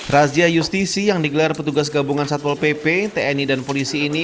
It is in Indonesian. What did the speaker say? razia justisi yang digelar petugas gabungan satpol pp tni dan polisi ini